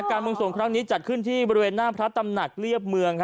การเมืองส่งครั้งนี้จัดขึ้นที่บริเวณหน้าพระตำหนักเรียบเมือง